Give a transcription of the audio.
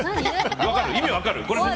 意味わかる？